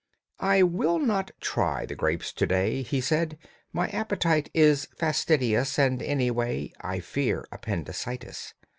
"I will not try the grapes to day," He said. "My appetite is Fastidious, and, anyway, I fear appendicitis."